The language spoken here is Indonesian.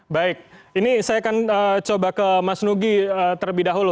baik ini saya akan coba ke mas nugi terlebih dahulu